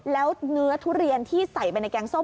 แล้วเนื้อทุเรียนที่ใส่ไปในแกงส้ม